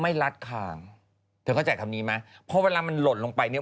รัดคางเธอเข้าใจคำนี้ไหมเพราะเวลามันหล่นลงไปเนี่ย